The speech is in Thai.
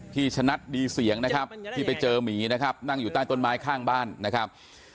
ชนัดดีเสียงนะครับที่ไปเจอหมีนะครับนั่งอยู่ใต้ต้นไม้ข้างบ้านนะครับ